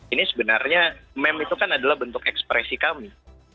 ini sebenarnya meme itu kan adalah bentuk ekspresi kami